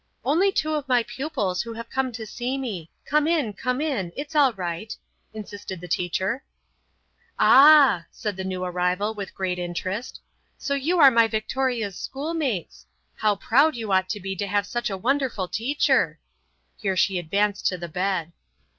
"Only two of my pupils who have come to see me. Come in, come in, it's all right," insisted our teacher. "Ah," said the new arrival with great interest, "so you are my Victoria's schoolmates. How proud you ought to be to have such a wonderful teacher!" Here she advanced to the bed.